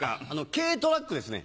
軽トラックですね。